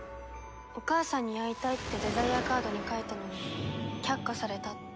「お母さんに会いたい」ってデザイアカードに書いたのに却下されたって。